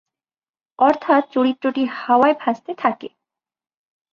অর্থাৎ চরিত্রটি হাওয়ায় ভাসতে থাকে।